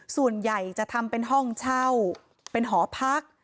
ส่วนใหญ่จะทำเป็นห้องเช่าเป็นหอพัก